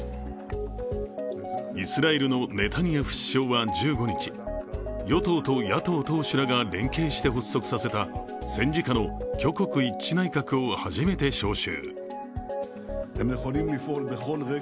イスラエルのネタニヤフ首相は１５日、与党と野党党首らが連携して発足させた戦時下の挙国一致内閣を初めて招集。